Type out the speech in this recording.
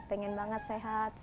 pengen banget sehat